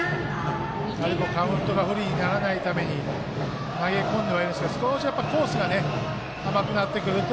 カウントが不利にならないために投げ込んではいるんですけど少しコースが甘くなってくると